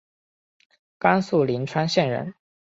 甘肃灵川县人。